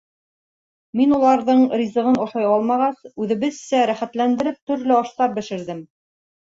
Мин уларҙың ризығын ашай алмағас, үҙебеҙсә рәхәтләндереп төрлө аштар бешерҙем.